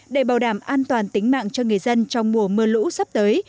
để bảo đảm an toàn tính mạng cho người dân trong mùa mưa lũ sắp tới